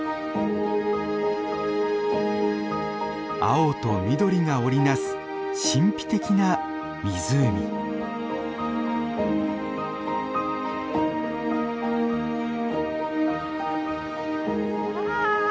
青と緑が織り成す神秘的な湖。わ！